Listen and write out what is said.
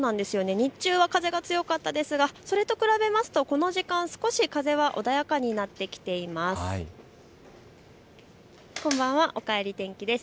日中は風が強かったですがそれと比べますとこの時間少し風は穏やかになってきています。